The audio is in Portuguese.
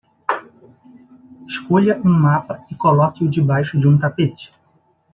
Escolha um mapa e coloque-o debaixo de um tapete.